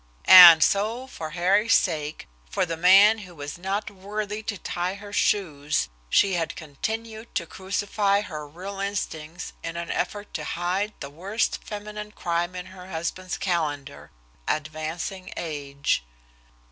And so for Harry's sake, for the man who was not worthy to tie her shoes, she had continued to crucify her real instincts in an effort to hide the worst feminine crime in her husband's calendar advancing age.